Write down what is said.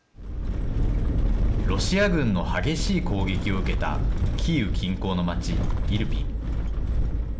ロシア軍の激しい攻撃を受けたキーウ近郊の街、イルピン。